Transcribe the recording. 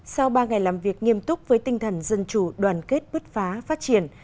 sau ba ngày làm việc nghiêm túc với tinh thần dân chủ đoàn kết bứt phá phát triển